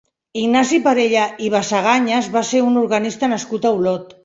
Ignasi Parella i Basaganyas va ser un organista nascut a Olot.